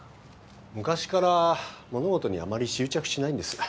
昔から物事にあまり執着しないんです。